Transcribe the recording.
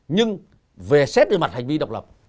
nhưng về xét về mặt hành vi độc lập